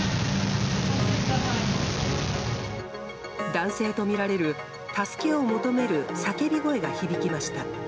男性とみられる助けを求める叫び声が響きました。